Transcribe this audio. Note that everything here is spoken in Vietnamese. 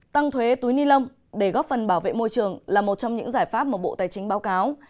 tăng thuế túi ni lông để góp phần bảo vệ môi trường là một trong những giải pháp mà bộ tài chính báo cáo